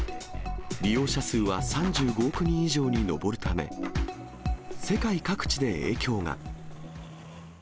利用者数は３５億人以上に上るため、世界各地で影響が。